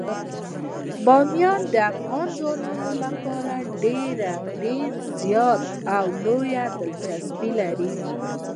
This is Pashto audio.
بامیان د افغان ځوانانو لپاره ډیره زیاته او لویه دلچسپي لري.